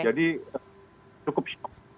jadi cukup syok